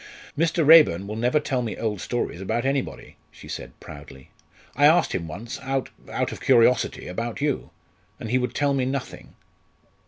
"Mr. Raeburn will never tell me old stories about anybody," she said proudly. "I asked him once, out out of curiosity about you, and he would tell me nothing."